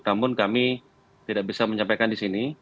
namun kami tidak bisa menyampaikan di sini